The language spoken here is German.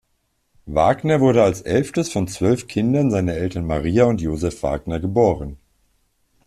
Wagner wurde als elftes von zwölf Kindern seiner Eltern Maria und Josef Wagner geboren.